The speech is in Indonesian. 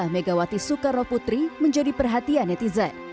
megawati soekarno putri menjadi perhatian netizen